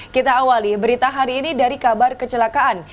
kita awali berita hari ini dari kabar kecelakaan